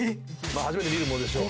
初めて見るものでしょう。